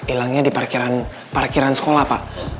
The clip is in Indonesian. ilangnya di parkiran parkiran sekolah pak